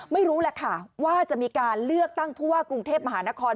ไม่รู้แหละค่ะว่าจะมีการเลือกตั้งผู้ว่ากรุงเทพมหานคร